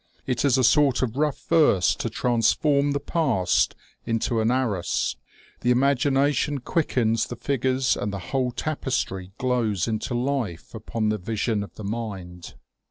It is a sort of rough verse to transform the past into an arras; the imagination quickens the figures and the whole tapestry glows into life upon the vision of the mind.